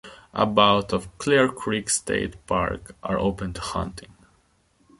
About of Clear Creek State Park are open to hunting.